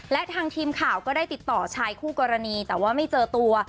และทางทีมข่าวก็ได้ติดต่อชายคู่กรณีแต่ว่าไม่เจอตัว